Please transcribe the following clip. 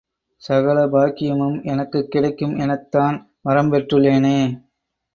சகல பாக்கியமும் எனக்குக் கிடைக்கும் எனத் தான் வரம்பெற்றுள்ளேனே!